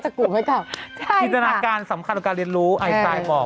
น๊อเดี๋ยวเราก็จะกลุ่มให้กลับ